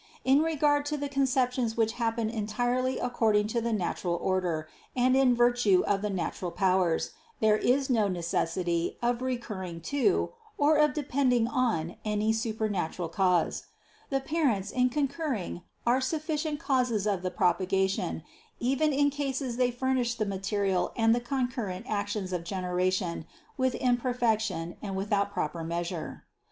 In regard to the conceptions which happen entirely according to the natural order and in virtue of the natural powers, there is no necessity of recurring to or of depending on any supernatural cause. The parents in concurring are sufficient causes of the propagation, even in case they furnish the material and the concurrent acts of generation with imperfection and without proper measure. 212.